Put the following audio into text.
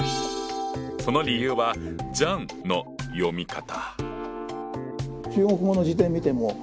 その理由はジャンの読み方！